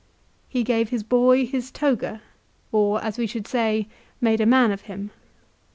He gave his boy his toga, or as we should say, made a man of him.